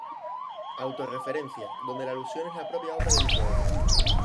Auto-referencia, donde la alusión es a la propia obra del poeta.